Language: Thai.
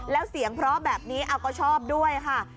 แล้วเสียงเพราะแบบนี้ก็ชอบด้วยค่ะ